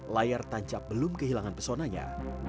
layar tancap belum kehilangan pesonanya